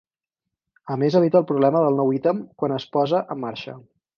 A més evita el problema del nou ítem quan es posa en marxa.